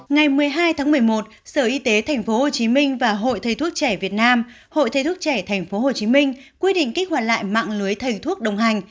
ngày một mươi hai tháng một mươi một sở y tế tp hcm và hội thầy thuốc trẻ việt nam hội thầy thuốc trẻ tp hcm quy định kích hoạt lại mạng lưới thầy thuốc đồng hành